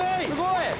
すごい！